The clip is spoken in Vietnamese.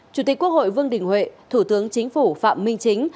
chủ tịch quốc hội vương đình huệ thủ tướng chính phủ phạm minh chính